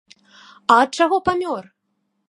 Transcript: А ад чаго памёр?